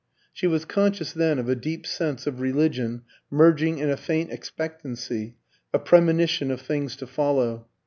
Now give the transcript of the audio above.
She was conscious then of a deep sense of religion merging in a faint expectancy, a premonition of things to follow.